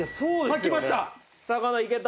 きました。